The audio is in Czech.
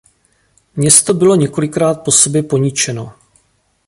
Město bylo několikrát po sobě poničeno.